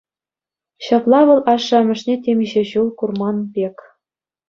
Ҫапла вӑл ашшӗ-амӑшне темиҫе ҫул курман пек.